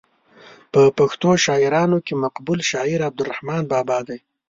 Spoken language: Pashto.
په پښتو شاعرانو کې مقبول شاعر عبدالرحمان بابا دی.